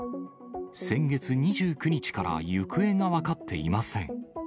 先月２９日から行方が分かっていません。